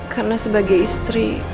karena sebagai istri